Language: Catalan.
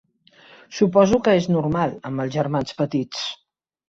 Suposo que és normal, amb els germans petits.